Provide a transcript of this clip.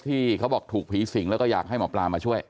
ที่เขาบอกถูกผีสิงแล้วก็อยากให้หมอปลามาช่วย